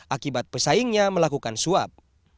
akibat pesaingnya melakukan suap